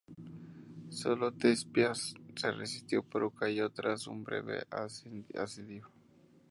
Sólo Tespias se resistió pero cayó tras un breve asedio.